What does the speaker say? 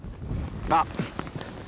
あっ！